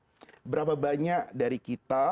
ketikalya mengajar dan berdoa